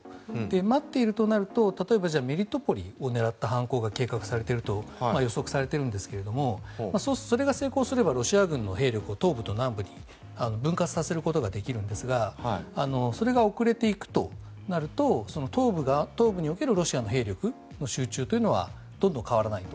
待っているとなると例えば、メリトポリを狙った犯行が計画されていると予測されているんですがそれが成功すればロシア軍の兵力を東部と南部に分割させることができるんですがそれが遅れていくとなると東部におけるロシアの兵力の集中というのはほとんど変わらないと。